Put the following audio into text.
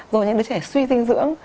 rồi những đứa trẻ suy dinh dưỡng